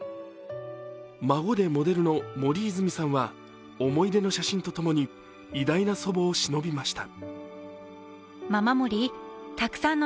孫でモデルの森泉さんは思い出の写真とともに偉大な祖母をしのびました。